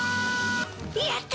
やった！